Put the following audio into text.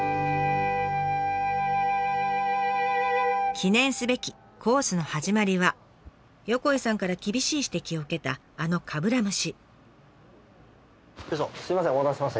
記念すべきコースの始まりは横井さんから厳しい指摘を受けたあのかぶら蒸し。